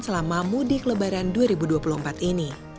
selama mudik lebaran dua ribu dua puluh empat ini